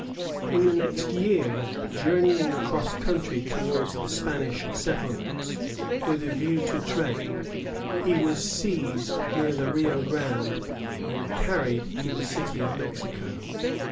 In the next year, journeying across country towards the Spanish settlements, with a view to trade, he was seized near the Rio Grande and carried to the city of Mexico.